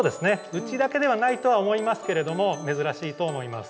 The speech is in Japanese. うちだけではないとは思いますけれども珍しいと思います。